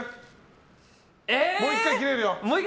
もう１回切れるよ。